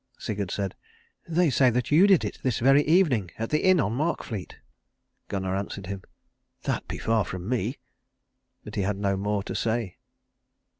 Sigurd said, "They say that you did it this very evening at the inn on Markfleet." Gunnar answered him, "That be far from me." But he had no more to say.